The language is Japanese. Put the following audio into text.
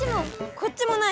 こっちもない！